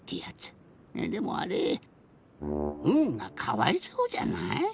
でもあれ「ん」がかわいそうじゃない？